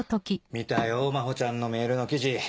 見たよ真帆ちゃんのメールの記事。